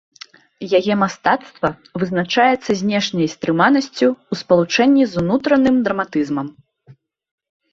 Яе мастацтва вызначаецца знешняй стрыманасцю ў спалучэнні з унутраным драматызмам.